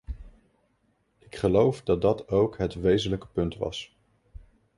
Ik geloof dat dat ook het wezenlijke punt was.